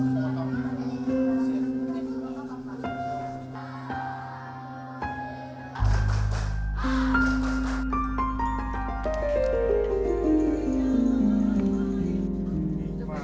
semoga entah apa yang ada di luar itu